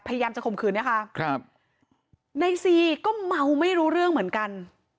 พยายามจะข่มขืนนะคะครับในซีก็เมาไม่รู้เรื่องเหมือนกัน